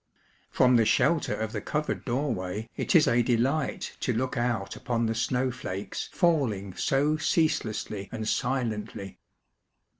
From the shelter of the covered doorway it is a delight to look out upon the snowflakes falling so ceaselessly and silentiy.